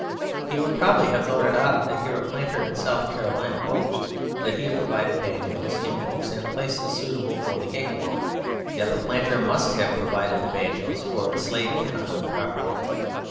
He would probably have thought it odd to hear a planter in South Carolina boast that he had provided banjos, hymn books, and places suitable for the cake walk. Yet the planter must have provided the banjos, for a slave cannot own property.